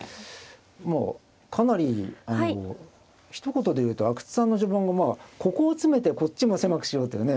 もうかなりひと言で言うと阿久津さんの序盤がここを詰めてこっちも狭くしようというね